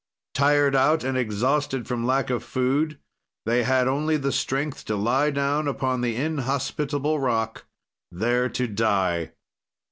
"Tired out and exhausted from lack of food, they had only the strength to lie down upon the inhospitable rock, there to die!